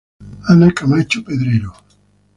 Ana Camacho Pedrero.